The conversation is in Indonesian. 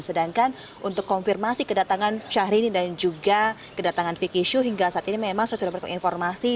sedangkan untuk konfirmasi kedatangan syahrini dan juga kedatangan vicky shu hingga saat ini memang saya sudah berinformasi